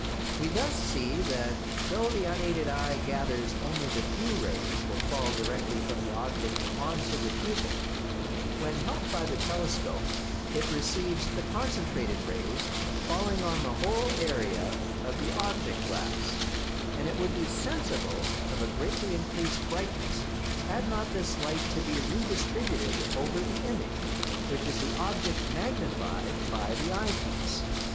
We thus see that though the unaided eye gathers only the few rays that fall directly from the object on to the pupil, when helped by the telescope it receives the concentrated rays falling on the whole area of the object glass; and it would be sensible of a greatly increased brightness had not this light to be redistributed over the image, which is the object magnified by the eyepiece.